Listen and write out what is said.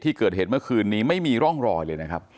ที่เกิดเหตุเมื่อคืนนี้ไม่มีร่องรอยเลยนะครับ